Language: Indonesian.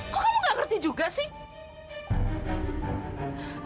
kok kamu gak ngerti juga sih